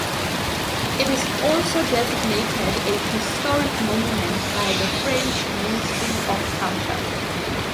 It is also designated a historic monument by the French Ministry of Culture.